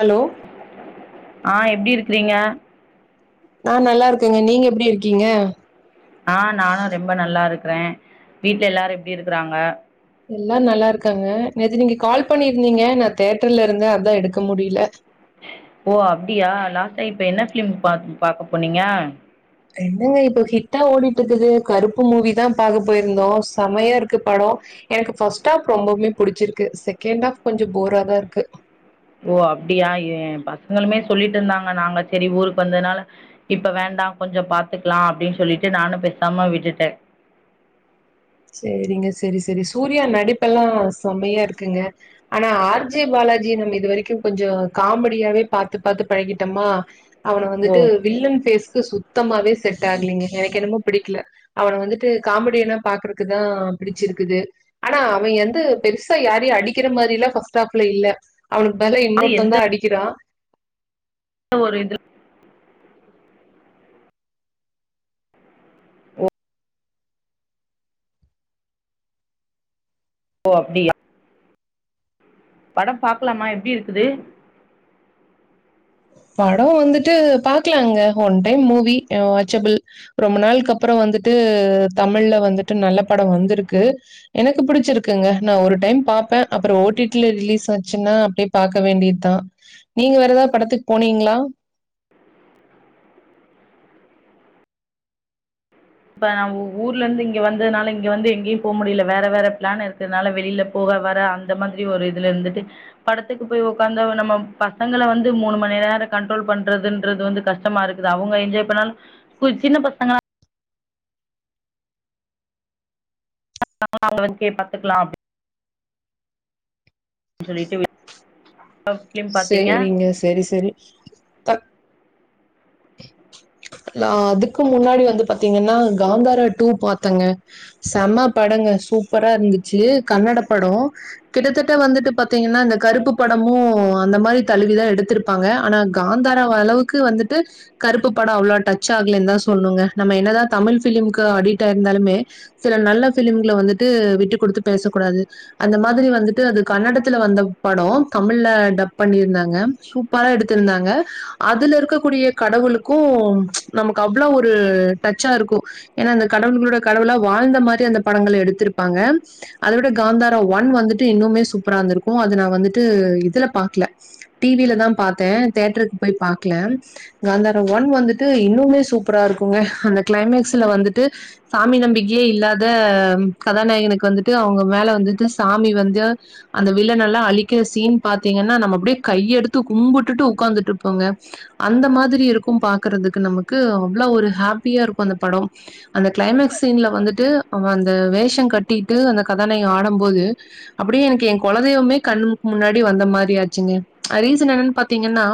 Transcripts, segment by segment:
Hello ஆஹ் எப்படி இருக் இருக்றீங்க நா நல்லா இருக்கேங்க நீங்க எப்படி இருக்கீங்க ஆஹ் நானும் ரொம்ப நல்லா இருக்கிறே வீட்ல எல்லாரு எப்டி இருக்கறாங்க எல்லா நல்லா இருக்காங்கது நேத்து நீங்க கால் பண்ணியிருந்தீங்க நா தேட்டர்ல இருந்தே அதா எடுக்க முடியல ஓ அப்படியா லாஸ்டா இப்ப என்ன ஃப்லிம் பாக் பாக்க போனீங்க என்னங்க இப்ப ஹிட்டா ஓடிட்டுருக்குது கருப்பு மூவி தா பாக்க போயிருந்தோ செமையா இருக்கு படோ எனக்கு ஃபர்ஸ்ட் ஹாஃப் ரொம்பமே புடிச்சிருக்கு செகண்ட் ஹாஃப் கொஞ்சம் போரா தா இருக்கு ஓ அப்டியா ஏ ஏ பசங்களுமே சொல்லிட்டு இருந்தாங்க நாங்க சரி ஊருக்கு வந்ததுனால இப்ப வேண்டா கொஞ்சோ பாத்துக்கலா அப்டினு சொல்லிட்டு நானு பேசாம விட்டுட்டே செரிங்க செரி செரி சூர்யா நடிப்பெல்லா செம்மையா இருக்குங்க ஆனா ஆர் ஜே பாலாஜி நம்ம இது வரைக்கு கொஞ்சோ காமெடியாவே பாத்து பாத்து பழகிட்டம்மா அவன ஓ வந்துட்டு வில்லன் பேஸ்க்கு சுத் தமாவே செட் ஆகலீங்க எனக்கு என்னமோ பிடிக்கல அவன வந்துட்டு காமெடியனா பாக்குற க்கு தா பிடிச்சிருக்குது ஆனா அவ எந்து பெருசா யாரையு அடிக்கிற மாரி லா ஃப்ஸ்ட் ஹாப்ல இல்ல அவனுக்கு பதிலா அது இன்னொருத்தந்தா எந்த அடிக்கிறா ஒரு இது ஓ ஓ அப்படியா படம் பாக்கலாமா எப்டி இருக்குது படோ வந்துட்டு பாக்கலாங்க ஒன் டைம் மூவி அ வாச்சபிள் ரொம்ப நாளுக்கு அப்புறோ வந்துட்டு தமிழ்ல வந்துட்டு நல்ல படோ வந்திருக்கு எனக்கு புடிச்சிருக்குங்க நா ஒரு டைம் பாப்பே அப்புறோ ஓ டி டி ல ரிலீஸ் ஆச்சுன்னா அப்படியே பாக்க வேண்டியதுதா நீங்க வேற எதா படத்துக்கு போனீங்ளா இப்ப நம் ஊர்ல இருந்து இங்க வந்ததுனால இங்க வந்து எங்கேயு போக முடியல வேற வேற பிளான் இருக்கதுனால வெளியில போக வர அந்த மாதிரி ஒரு இதுல இருந்துட்டு படத்துக்கு போய் உ்காந்த நம்ம பசங்களை வந்து மூணு மணி நேர கண்ட்ரோல் பண்றதுன்றது வந்து கஷ்டமா இருக்குது அவங்க என்ஜாய் பண்ணாலு கொச் சின்ன பசங்களா [inaudible] பாத்துக்கலா சொல்லிட்டு [inaudible] சேரிங்க செரி செரி தப் லா அதுக்கு முன்னாடி வந்து பாத்தீங்கன்னா காந்தாரா டூ பாத்தங்க செம படங்க சூப்பரா இருந்துச்சு கன்னட படோ கிட்டத்தட்ட வந்துட்டு பாத்தீங்கன்னா இந்த கருப்பு படமு அந்த மாரி தழுவிதா எடுத்திருப்பாங்க ஆனா காந்தாரா அளவுக்கு வந்துட் டு கருப்பு படோ அவ்ளோ டச் ஆகலன்தா சொல்னுங்க நம்ம என்னதா தமிழ் ஃபிலிம்க்கு அடிட் ஆயிருந்தாலுமே சில நல்ல ஃபிலிம்கல வந்துட்டு விட்டு குடுத்து பேச கூடாது அந்த மாதிரி வந்துட்டு அது கன்னடத்துல வந்த படோ தமிழ்ல டப் பண்ணிருந்தாங்க சூப்பரா எடுத்திருந்தாங்க அதுல இருக்க கூடிய கடவுளுக்கு நமக் அவ்ளோ ஒரு டச்சா இருக்கு ஏனா அந்த கடவுள்களோட கடவுளா வாழ்ந்த மாரி அந்த படங்கள் எடுத்திருப்பாங்க அத விட காந்தாரா ஒன் வந்துட்டு இன்னுமே சூப்பரா இருந்துருக்கு அது நா வந்துட்டு இதுல பாக்கல டி வில தா பாத்தே தேட்டருக்கு போய் பாக்கல காந்தாரா ஒன் வந்துட்டு இன்னுமே சூப்பரா இருக்கூங்க அந்த கிளைமேக்ஸ்ல வந்துட்டு சாமி நம்பிக்கையே இல்லாத கதாநாயகனுக்கு வந்துட்டு அவங்க மேல வந்துட்டு சாமி வந்து அந்த வில்லனால்லா அழிக்கிற சீன் பாத்தீங்கன்னா நம்ம அப்படியே கையெடுத்து கும்புட்டுட்டு உக்காந்துட்டுருப்போங்க அந்த மாதிரி இருக்ககு பாக்கறதுக்கு நமக்கு அவ்வளோ ஒரு ஹாப்பியா இருக்கு அந்த படம் அந்த கிளைமக்ஸ் சீன்ல வந்துட்டு அவ அந்த வேஷ கட்டிட்டு அந்த கதாநாயக ஆடம்போது அப்படியே எனக்கு எ குலதெய்வமே கண்ணு முன்னாடி வந்த மாதிரியாச்சுங்க அ ரீசன் என்னனு பாத்தீங்கன்னா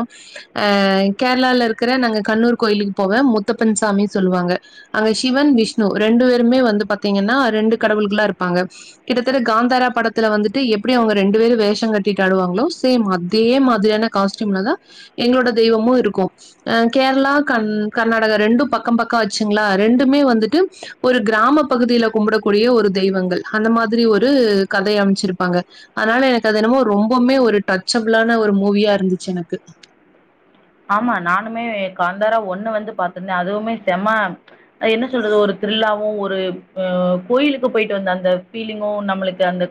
அஹ் கேரளால இருக்குற நாங்க கண்ணூர் கோயிலுக்கு போவே முத்தப்பன் சாமி சொல்லுவாங்க அங்க சிவன் விஷ்ணு ரெண்டு பேருமே வந்து பாத்தீங்கன்னா ரண்டு கடவுள்கலா இருப்பாங்க கிட்டத்தட்ட காந்தாரா படத்துல வந்துட்டு எப்புடி அவங்க ரெண்டு பேரு வேஷோ கட்டிட்டு ஆடுவாங்களோ சேம் அதே மாதிரியான காஸ்ட்யும்லதா எங்களோட தெய்வமு இருக் க்கு அ கேரளா கண் கர்நாடகா ரெண்டு பக்க பக்க ஆச்சுங்களா ரெண்டுமே வந்துட்டு ஒரு கிராம பகுதியில கும்முட கூடிய ஒரு தெய்வங்கள் அந்த மாதிரி ஒரு கதைய அம்ச்சிருப்பாங்க அதனால எனக்கு அது என்னமோ ரொம்பொமே ஒரு டச்சபிளான ஒரு மூவியா இருந்துச்சு எனக்கு ஆமா நானுமே காந்தாரா ஒன்னு வந்து பாத்திருந்தே அதுவுமே செம அ என்ன சொல்றது ஒரு த்ரில்லாவு ஒரு அ கோயிலுக்கு போயிட்டு வந்த அந்த ஃபீலிங்கு நம்மளுக்கு அந்த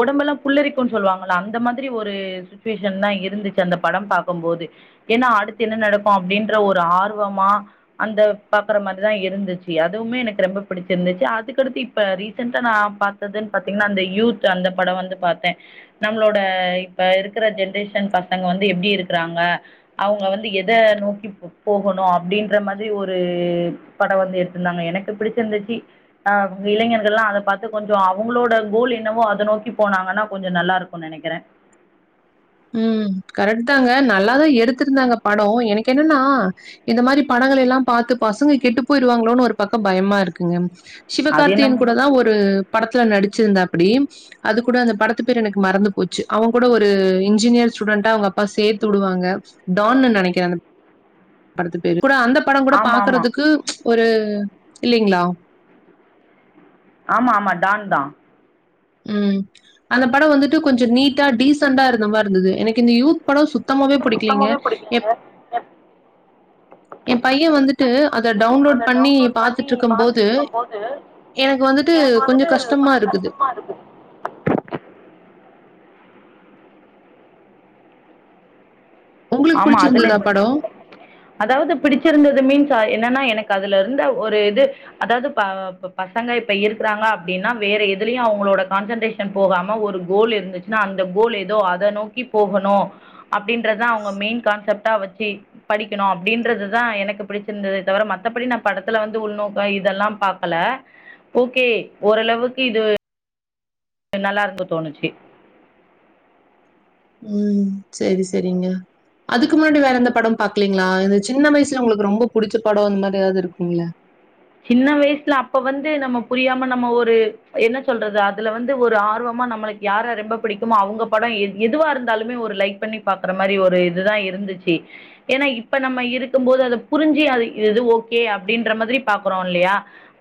ஒடம்பெல்லா புள்ளரிக்குன் சொல்லுவாங்கள அந்த மாதிரி ஒரு சுச்சுவேஷன்தா இருந்துச்சு அந்த படம் பாக்கம்போது ஏனா அடுத்து என்ன நடக்கு அப்படின்ற ஒரு ஆர்வமா அந்த பாக்குற மாதிரிதா இருந்துச்சு அதுவுமே எனக்கு ரொம்ப புடிச்சிருந்துச்சு அதுக்கடுத்து இப்ப ரீசென்டா நா பாத்ததுன் பாத்தீங்கன்னா அந்த யூத் அந்த படோ வந்து பாத்தே நம்மளோட இப்ப இருக்குற ஜென்ரேஷன் பசங்க வந்து எப்டி இருக்குறாங்க அவங்க வந்து எத நோக்கி போ போகணு அப்படின்ற மாதிரி ஒரு படோ வந்து எடுத்திருந்தாங்க எனக்கு பிடிச்சிருந்துச்சு ஆஹ் இளைஞர்கள்லா அத பாத்து கொஞ்சொ அவங்களோட கோல் என்னவோ அத நோக்கி போனாங்கன்னா கொஞ்சொ நல்லா இருக்கு நெனைக்குறே உம் கரெக்ட் தாங்க நல்லாதா எடுத்திருந்தாங்க படோ எனக்கு என்னனா இது மாரி படங்களெல்லா பாத்து பசங்க கெட்டு போயிருவாங்களோனு ஒரு பக்கொ பயமா இருக்குங்க அது சிவகார்த்தியன் என்னமோ கூடதா ஒரு படத்துல நடிச் ச்சிருந்தாப்பிடி அது கூட அந்த படத்து பேர் எனக்கு மறந்து போச்சு அவ கூட ஒரு இங் இன்ஜீனியர் ஸ்டூடண்ட்டா அவங்க அப்பா சேத்து உடுவாங்க டான்னு நெனைக்கிற அந்த படத்து பேரு கூட அந்த படோ கூட ஆமா ஆமா பாக்கறதுக்கு ஒரு இல்லைங்களா ஆமா ஆமா டான் தா ம் அந்த படோ வந்துட்டு கொஞ்சோ நீட்டா டீசண்டா இருந்த மாரி இருந்துது எனக்கு இந்த யூத் படோ சுத் சுத்தமாவே பிடிக்கலிங்க எப் ஏ பையன் வந்துட்டு அத டவுன்லோட் பண்ணி பாத்துட்ருக்கும்போது எனக்கு வந்துட்டு கொஞ்சோ கஷ்டமா இருக்குது உங்களுக்கு ஆமா அதுல புடிச்சிருந்ததா படம்? அதாவது பிடிச்சிருந்தது மீன்ஸ் என்னன்னா எனக்கு அதுல இருந்த ஒரு இது அதாவது ப இப்ப பசங்க இப்ப இருக்குறாங்க அப்டின்னா வேற எதுலயு அவுங்களோட கான்சன்ட்ரேஷன் போகாம ஒரு கோல் இருந்துச்சுனா அந்த கோல் ஏதோ அத நோக்கி போகணு அப்டின்றதா அவு அவுங்க மெயின் கான்சப்ட்டா வச்சி படிக்கணு அப்டின்றதுதா எனக்கு பிடிச்சிருந்துதே தவர மத்தபடி நா படத்துல வந்து உள்நோக்கோ இதெல்லா பாக்கல ஓகே ஓரளவுக்கு இது நல்லா இருக்கு தோணுச்சு ம் செரி செரிங்க அதுக்கு முன்னடி வேற எந்த படம் பாக்கலிங்களா இந்த சின்ன வயசுல உங்களுக்கு ரொம்ப புடிச்ச படோ அந்த மாரி ஏதாவது இருக்கும்ல சின்ன வயசுல அப்ப வந்து நம்ம புரியாம நம்ம ஒரு என்ன சொல்றது அதுல வந்து ஒரு ஆர்வமா நம்மளுக்கு யார ரொம்ப பிடிக்குமோ அவங்க படோ எ எதுவா இருந்தாலுமே ஒரு லைக் பண்ணி பாக்குற மாரி ஒரு இதுதான் இருந்துச்சு ஏன்னா இப்ப நம்ம இருக்கும் போது அத புரிஞ்சி அது இது இது ஓகே அப்டின்ற மாதிரி பாக்குறோ இல்லையா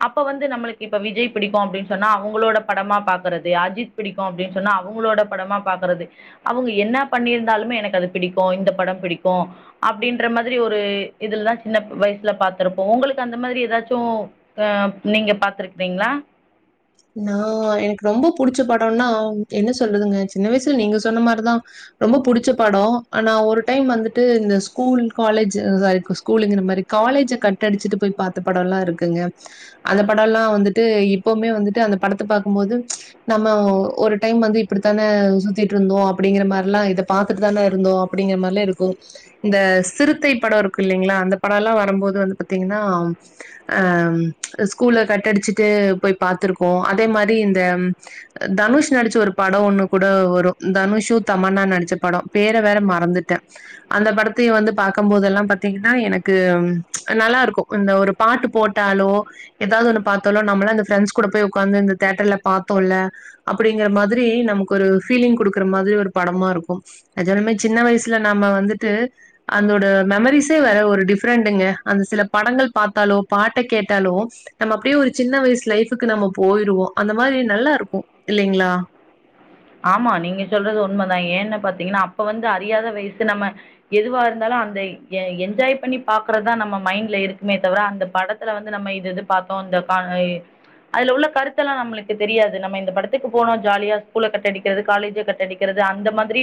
அப்ப வந்து நம்மளுக்கு இப்ப விஜய் பிடிக்கும் அப்டின் சொன்னா அவங்களோட படமா பாக்கறது அஜித் பிடிக்கும் அப்டின் சொன்னா அவங்களோட படமா பாக்கறது அவங்க என்ன பண்ணிருந்தாலுமே எனக்கு அது பிடிக்கும் இந்த படம் பிடிக்கும் அப்டின்ற மாதிரி ஒரு இதுலதா சின்ன வயசுல பாத்துருப்போ ஒங்களுக்கு அந்த மாதிரி எதாச் சு ஆ நீங்க பாத்துருக்கிறீங்களா நான் எனக்கு ரொம்ப புடிச்ச படோன்னா என்ன சொல்றதுங்க சின்ன வயசுல நீங்க சொன்ன மாரிதா ரொம்ப புடிச்ச படோ ஆனா ஒரு டைம் வந்துட்டு இந்த ஸ்கூல் காலேஜி சாரி ஸ்கூலுங்கிற பாரு காலேஜ கட்டடிச்சுட்டு போய் பாத்த படோலா இருக்குங்க அந்த படோலா வந்துட்டு இப்பவுமே வந்து ட்டு அந்த படத்த பாக்கும்போது நம்ம ஒரு டைம் வந்து இப்டித்தான சுத்திட்ருந்தோம் அப்டிங்கிற மாரிலா இத பாத்துட்டு தான இருந்தோம் அப்டிங்கிற மாரிலா இருக்கும் இந்த சிறுத்தை படோ இருக்கு இல்லைங்களா அந்த படோலா வரம்போது வந்து பாத்தீங்கன்னா ஆ ஸ்கூல்ல கட்டடிச்சுட்டு போய் பாத்துருக்கோ கோம் அதே மாரி இந்த தனுஷ் நடிச்ச ஒரு படோ ஒன்னுக் கூட வரும் தனுஷு தமன்னா நடிச்ச படோ பேர வேற மறந்துட்டே அந்த படத்தயு வந்து பாக்கம்போதல்லா பாத்தீங்கன்னா எனக்கு நல்லாருக்கும் அந்த ஒரு பாட்டு போட்டாலோ எதாவது ஒன்னு பாத்தாலோ நம்மளாம் இந்த ஃப்ரண்ட்ஸ் கூட போய் உக்காந்து இந்த தேட்டர்ல பாத்தோம்ல அப்டிங்கிற மாதிரி நமக்கு ஒரு ஃபீலிங் குடுக்கற மாதிரி ஒரு படமா இருக்கும் நெஜமாலுமே சின்ன வயசுல நம்ம வந்துட்டு அந்தோட மெமரிஸே வேற ஒரு டிஃப்ரெண்டுங்க அந்த சில படங்கள் பாத்தாலோ பாட்ட கேட்டாலோ நம்ம அப்டியே ஒரு சின்ன வயசு லைஃப் க்கு நம்ம போயிடுவோ அந்த மாரி நல்லாருக்கும் இல்லைங்களா ஆமா நீங்க சொல்றது உண்மதா ஏன்னு பாத்தீங்கன்னா அப்ப வந்து அறியாத வயசு நம்ம எதுவா இருந்தாலு அந்த எ என்ஜாய் பண்ணி பாக்குறதுதா நம்ம மைண்ட்ல இருக்குமே தவர அந்த படத்துல வந்து நம்ம இது இது பாத்தோ இந்த கான ம் அதுல உள்ள கருத்தெல்லா நம்மளுக்கு தெரியாது நம்ம இந்த படத்துக்கு போனோ ஜாலியா ஸ்கூல கட்டடிக்கிறது காலேஜ கட்டடிக்கிறது அந்த மாதிரி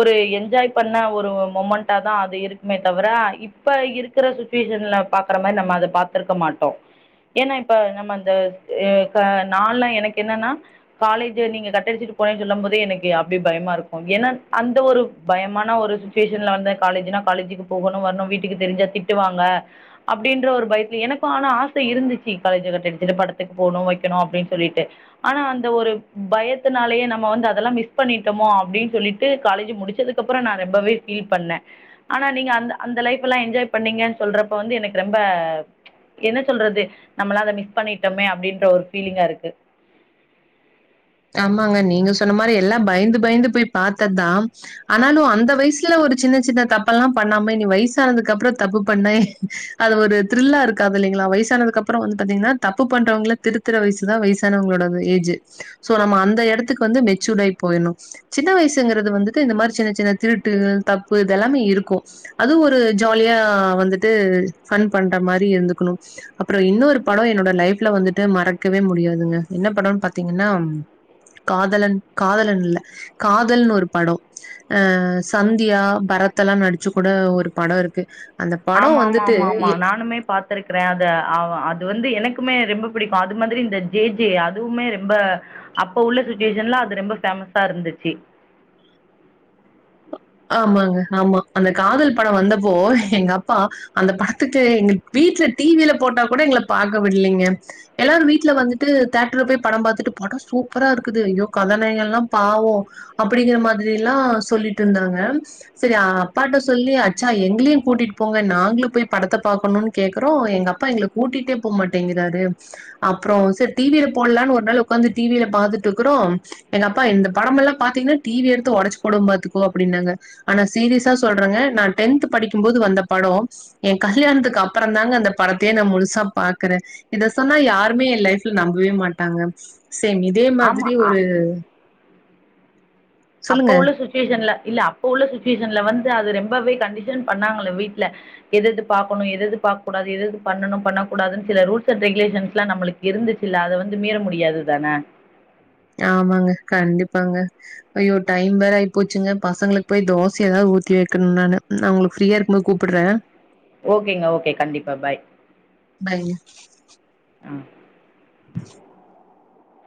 ஒரு என்ஜாய் பண்ண ஒரு மொமண்ட்டா தான் அது இருக்குமே தவர இப்ப இருக்குற சுச்சிவேஷன்ல பாக்கற மாரி நம்ம அத பாத்துருக்க மாட்டோ ஏன்னா இப்ப நம்ம அந்த ஏ க நாலான் எனக்கு என்னன்னா காலேஜ நீங்க கட்டடிச்சிட் போனேனு சொல்லம்போது எனக்கு அப்டி பயமா இருக்கும் ஏன்னா அந்த ஒரு பயமான ஒரு சுச்சிவேஷன்ல வந்து காலேஜினா காலேஜிக்கு போகணு வரணு வீட்டுக்கு தெரிஞ்சா திட்டுவாங்க அப்டின்ற ஒரு பயத்துலே எனக்கும் ஆனா ஆச இருந்துச்சு காலேஜ கட்டடிச்சுட்டு படத்துக்கு போணு வைக்கணு அப்டினு சொல்லிட்டு ஆனா அந்த ஒரு பயத்துனாலயே நம் நம்ம வந்து அதெல்லாம் மிஸ் பண்ணிட்டமோ அப்டின்னு சொல்லிட்டு காலேஜு முடிச்சதுக்குக்கப்பறோ நா ரொம்பவே ஃபீல் பண்ண ஆனா நீங்க அந்த அந்த லைஃப்புலா என்ஜாய் பண்ணீங்கன் சொல்றப்ப வந்து எனக்கு ரெம்ப என்ன சொல்றது நம்மலா அத மிஸ் பண்ணிட்டமே அப்டின்ற ஒரு ஃபீலிங்கா இருக்கு ஆமாங்க நீங்க சொன்ன மாரி எல்லா பயந்து பயந்து போய் பாத்ததுதான் ஆனாலும் அந்த வயசுல ஒரு சின்ன சின்ன தப்பல்லா பண்ணாம இனி வயசானதுக்கப்றோ தப்பு பண்ணா அது ஒரு த்ரில்லா இருக்காதில்லைங்களா வயசானதுக்கப்றோ வந்து பாத்தீங்கன்னா தப்பு பண்றவங்கள திருத்துற வயசுதா வயசானவங்களோடது ஏஜு சோ நம்ம அந்த எடத்துக்கு வந்து மெச்சூர்டாயி போய்ட்ணு சின்ன வயசுங்கிறது வந்துட்டு இந்த மாரி சின்ன சின்ன திருட்டுகள் தப்பு இதெல்லாமே இருக்கும் அது ஒரு ஜாலியா வந்துட்டு ஃபன் பண்ற மாரி இருந்துக்குணு அப்றோ இன்னொரு படோ என்னோட லைஃப்ல வந்துட்டு மறக்கவே முடியாதுங்க என்ன படோன்னு பாத்தீங்கன்னா காதலன் காதலன் இல்ல காதல்ன்னு ஒரு படோ ஆ சந்தியா பரத்தெல்லா நடிச்சு கூட ஒரு படோ இருக்கு அந்த படோ ஆமா ஆமா வந்துட்டு ஆமா ஆமா எ நானுமே பாத்துருக்குறே அத அவன் அது வந்து எனக்கு குமே ரெம்ப பிடிக்கு அது மாதிரி இந்த ஜே ஜே அதுவுமே ரெம்ப அப்ப உள்ள சுச்சிவேஷன்ல அது ரெம்ப ஃபேமஸா இருந்துச்சு ஆமாங்க ஆமா அந்த காதல் படோ வந்தப்போ எங்க அப்பா அந்த படத்துக்கு எங்க வீட்ல டிவில போட்டாக்கூட எங்கள பாக்க விட்லைங்க எல்லாரு வீட்ல வந்துட்டு தேட்டர்ல போய் படோ பாத்துட்டு படோ சூப்பரா இருக்குது ஐயோ கதாநாயகன்லா பாவோம் அப்டிங்கிற மாதிரில்லா சொல்லிட் ட்ருந்தாக சரி அப்பாட்ட சொல்லி அச்சா எங்களியும் கூட்டிட்டு போங்க நாங்களு போய் படத்த பாக்கணுன் கேக்குறோ எங்க அப்பா எங்கள கூட்டிட்டே போமாட்டேங்கிறாரு அப்றோம் செரி டீவில போடலான்னு ஒரு நாள் உக்காந்து டீவில பாத்துட்ருக்கறோ எங்க அப்பா இந்த படம் எல்லா பாத்தீங்கன்னா டிவி எடுத்து ஒடச்சு போடுவ பாத்து கோ அப்டின்னாங்க ஆனா சீரியஸா சொல்றங்க நா டென்த்து படிக்கும்போது வந்த படோ ஏ கல்யாணத்துக்கு அப்பறம் தாங்க அந்த படத்தையே நா முழுசா பாக்குற இத சொன்னா யாருமே என் லைஃப்ல நம்பவே மாட்டாங்க சேம் இதே ஆமா. மாதிரி அ ஒரு அப்ப சொல்லுங்க உள்ள சுச்சிவேஷன்ல இல்ல அப்ப உள்ள சுச்சிவேஷன்ல வந்து அது ரெம்பவே கண்டிஷன் பண்ணாங்களே வீட்ல எது எது பாக்கணு எது எது பாக்கக்கூடாது எது எது பண்ணணு பண்ணக்கூடாதுன்னு சில ரூல்ஸ் அண்ட் ரெகுலேஷன்ஸ்லா நம்மளுக்கு இருந்துச்சுல்ல அத வந்து மீற முடியாது தான ஆமாங்க கண்டிப்பாங்க ஐயோ டைம் வேற ஆயி போச்சுங்க பசங்களுக்கு போய் தோச எதாவது ஊத்தி வெக்கணு நானு நா உங்களுக்கு ஃப்ரீயா இருக்கும்போது கூப்புட்ற ஓகேங்க ஓகே கண்டிப்பா பாய் பாய் ஆ